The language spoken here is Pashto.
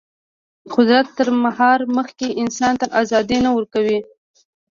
قدرت تر مهار مخکې انسان ته ازادي نه ورکوي.